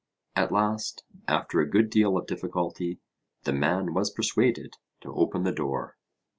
At last, after a good deal of difficulty, the man was persuaded to open the door.